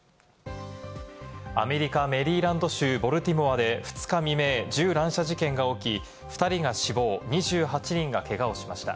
アメリカ・メリーランド州ボルティモアで、２日未明、銃乱射事件が起き、２人が死亡、２８人がけがをしました。